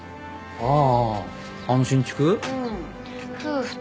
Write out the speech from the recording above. ああ。